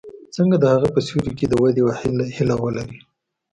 څنګه د هغه په سیوري کې د ودې هیله ولري.